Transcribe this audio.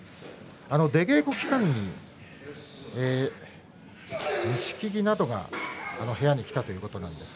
出稽古期間に錦木などが部屋に来たということもあります。